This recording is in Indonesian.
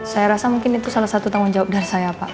saya rasa mungkin itu salah satu tanggung jawab dari saya pak